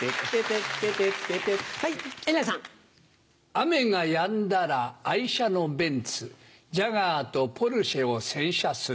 雨がやんだら愛車のベンツジャガーとポルシェを洗車する。